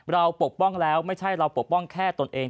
ปกป้องแล้วไม่ใช่เราปกป้องแค่ตนเอง